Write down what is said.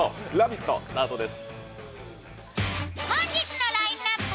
スタートです。